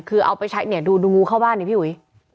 คือเอาไปใช้เนี่ยดูงูเข้าบ้านเนี่ยพี่อุ๋ย